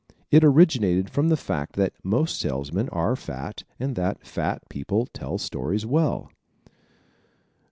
It originated from the fact that most salesmen are fat and that fat people tell stories well.